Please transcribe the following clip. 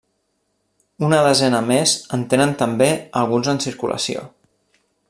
Una desena més en tenen també alguns en circulació.